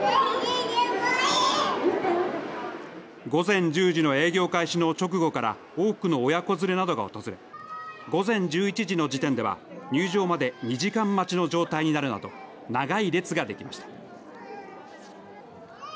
午前１０時の営業開始の直後から多くの親子連れなどが訪れ午前１１時の時点では入場まで２時間待ちの状態になるなど長い列ができました。